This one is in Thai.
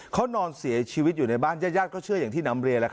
เขานอนเสียชีวิตอยู่ในบ้านญาติก็เชื่ออย่างที่นำเรียน